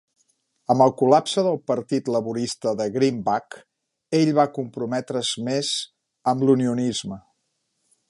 Amb el col·lapse del partit laborista de Greenback, ell va comprometre's més amb l'unionisme.